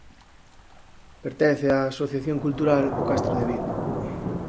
Pertence á Asociación Cultural O Castro de Vigo.